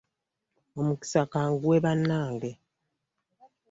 Omukisa ka nguwe bannange.